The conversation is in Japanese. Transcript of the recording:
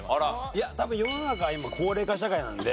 いや多分世の中は今高齢化社会なんで。